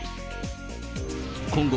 今後、